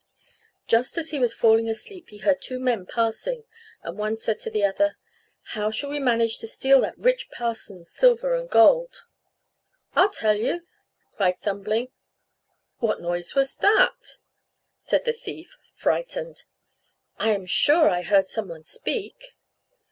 Just as he was falling asleep he heard two men passing, and one said to the other, "How shall we manage to steal that rich parson's silver and gold?" "I'll tell you," cried Thumbling. "What noise was that?" said the thief, frightened. "I am sure I heard some one speak."